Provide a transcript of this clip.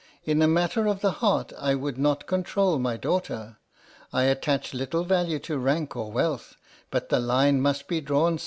In a matter of the heart I would not con trol my daughter. I attach little value to rank or wealth, but the line must be drawn somewhere.